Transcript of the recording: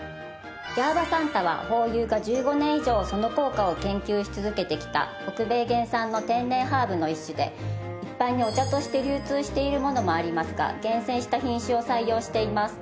ヤーバサンタはホーユーが１５年以上その効果を研究し続けてきた北米原産の天然ハーブの一種で一般にお茶として流通しているものもありますが厳選した品種を採用しています。